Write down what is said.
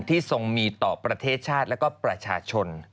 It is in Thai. ทรงมีต่อประเทศชาติและก็ประชาชน